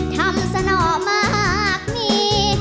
ทำสนอมากมี